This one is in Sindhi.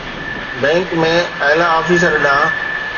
بئنڪ ۾ اعليٰ آفيسر ڏانهن